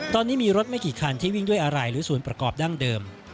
ตอนนี้มีรถไม่กี่คันที่วิ่งด้วยอะไรหรือส่วนประกอบดั้งเดิม